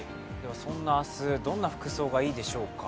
明日、どんな服装がいいでしょうか。